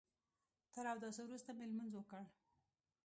تر اوداسه وروسته مې لمونځ وکړ.